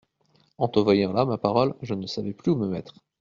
En te voyant là, ma parole, je ne savais plus où me mettre…